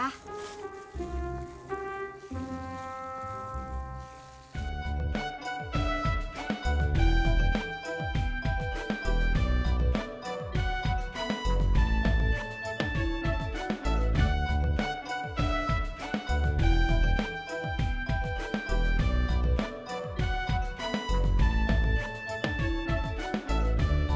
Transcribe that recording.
itu bersama mbak kau